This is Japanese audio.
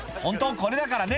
これだからね」